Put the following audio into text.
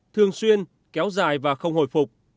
thường xuyên kéo dài và không hồi phục